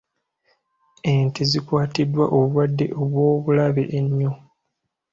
Ente zikwatiddwa obulwadde obw'obulabe ennyo.